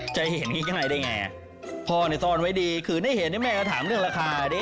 จะเห็นอย่างนี้กันไหนได้ไงพ่อซ่อนไว้ดีคือได้เห็นแม่ก็ถามเรื่องราคาดิ